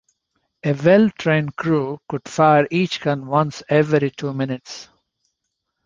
A well-trained crew could fire each gun once every two minutes.